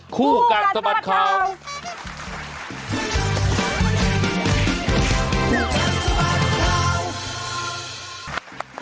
คู่กันสมัครข้าวคู่กันสมัครข้าว